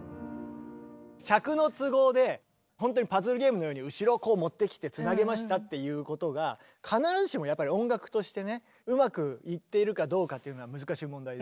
尺の都合でパズルゲームのように後ろをこう持ってきてつなげましたっていうことが必ずしもやっぱり音楽としてねうまくいっているかどうかっていうのは難しい問題で。